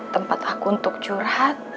tempat aku untuk curhat